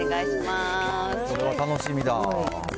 それは楽しみだわ。